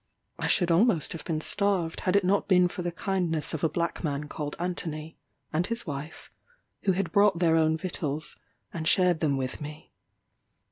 I should almost have been starved had it not been for the kindness of a black man called Anthony, and his wife, who had brought their own victuals, and shared them with me.